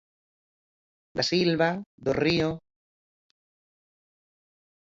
Da Silva, Do Río...